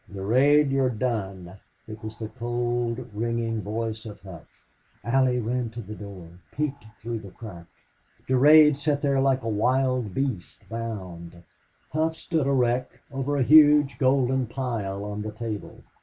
"Durade, you're done!" It was the cold, ringing voice of Hough. Allie ran to the door, peeped through the crack. Durade sat there like a wild beast bound. Hough stood erect over a huge golden pile on the table.